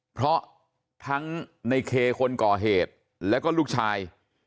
เพราะทั้งในเคคนก่อเหตุแล้วก็ลูกชาย